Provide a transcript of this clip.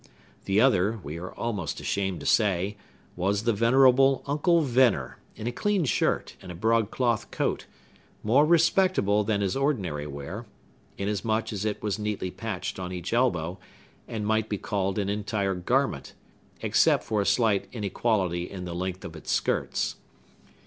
The other, we are almost ashamed to say, was the venerable Uncle Venner, in a clean shirt, and a broadcloth coat, more respectable than his ordinary wear, inasmuch as it was neatly patched on each elbow, and might be called an entire garment, except for a slight inequality in the length of its skirts.